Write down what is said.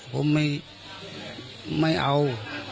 ผมไม่เอา